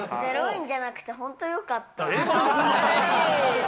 ０円じゃなくて本当よかった。